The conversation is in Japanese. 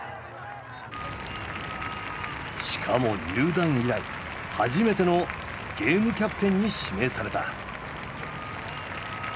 しかも入団以来初めてのゲームキャプテンに指名された。